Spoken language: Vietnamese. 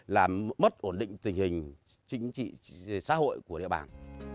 làm mất ổn định tình hình chính trị xã hội của địa bàn